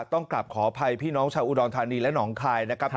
ต้องกลับขออภัยพี่น้องชาวอุดรธานีและหนองคายนะครับ